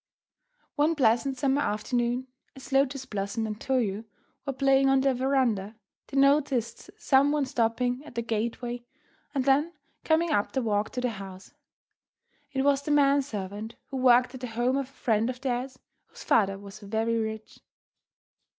One pleasant summer afternoon, as Lotus Blossom and Toyo were playing on their veranda, they noticed some one stopping at the gateway and then coming up the walk to the house. It was the man servant who worked at the home of a friend of theirs, whose father was very rich.